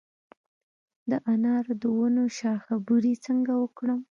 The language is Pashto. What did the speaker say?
د انارو د ونو شاخه بري څنګه وکړم؟